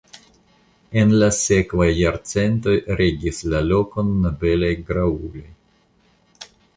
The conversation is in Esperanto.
En la sekvaj jarcentoj regis la lokon nobelaj gravuloj.